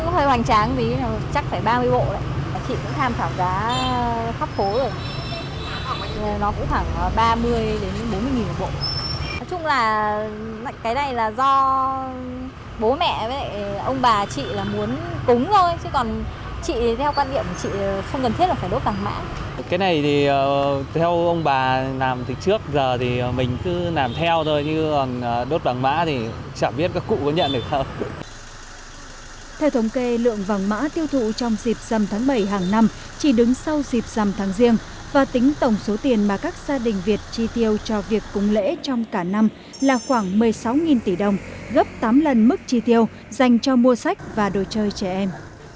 theo thống kê lượng vàng mã tiêu thụ trong dịp dầm tháng bảy hàng năm chỉ đứng sau dịp dầm tháng riêng và tính tổng số tiền mà các gia đình việt chi tiêu cho việc cung lễ trong cả năm là khoảng một mươi sáu tỷ đồng gấp tám lần mức chi tiêu dành cho mua sách và đồ chơi trẻ em